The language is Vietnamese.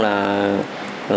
với thẻ luôn